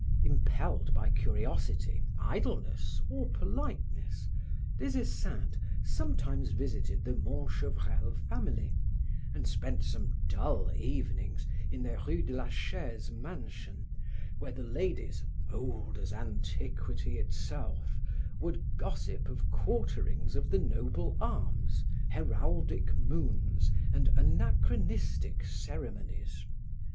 Impelled by curiosity, idleness or politeness, Des Esseintes sometimes visited the Montchevrel family and spent some dull evenings in their Rue de la Chaise mansion where the ladies, old as antiquity itself, would gossip of quarterings of the noble arms, heraldic moons and anachronistic ceremonies.